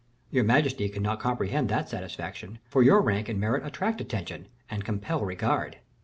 Your majesty cannot comprehend this satisfaction, for your rank and merit attract attention, and compel regard."